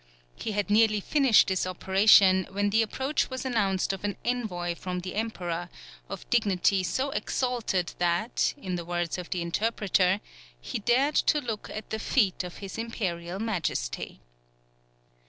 He had nearly finished this operation when the approach was announced of an envoy from the Emperor, of dignity so exalted that, in the words of the interpreter, "he dared to look at the feet of his Imperial Majesty."